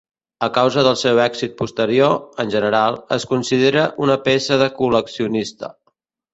A causa del seu èxit posterior, en general, es considera una peça de col·leccionista.